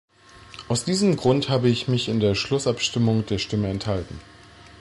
Aus diesem Grund habe ich mich in der Schlussabstimmung der Stimme enthalten.